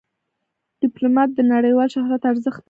ډيپلومات د نړیوال شهرت ارزښت پېژني.